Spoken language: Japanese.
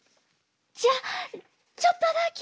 じゃあちょっとだけ。